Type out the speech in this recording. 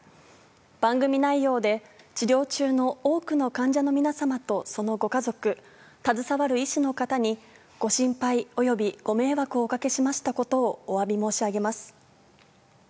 番組内容で、治療中の多くの患者の皆様と、そのご家族、携わる医師の方に、ご心配およびご迷惑をおかけしましたことを、おわび申し上げます。